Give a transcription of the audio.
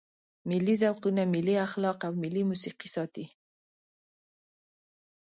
ملي ذوقونه، ملي اخلاق او ملي موسیقي ساتي.